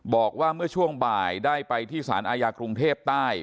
บอกว่าเมื่อช่วงบ่ายได้ไปที่สารอาญากรุงเทพใต้